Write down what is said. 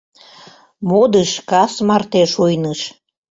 Модыш кас марте шуйныш.